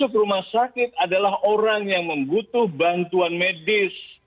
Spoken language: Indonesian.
masuk ke rumah sakit adalah orang yang membutuhkan bantuan medis